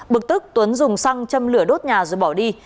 bực tức tuấn dùng xăng châm lửa đốt nhà rồi bỏ đi